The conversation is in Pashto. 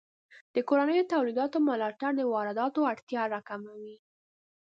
د کورنیو تولیداتو ملاتړ د وارداتو اړتیا راکموي.